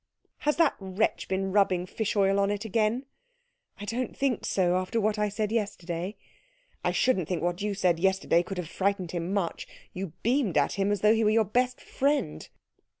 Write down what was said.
"Has that wretch been rubbing fish oil on it again?" "I don't think so, after what I said yesterday." "I shouldn't think what you said yesterday could have frightened him much. You beamed at him as though he were your best friend."